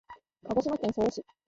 鹿児島県曽於市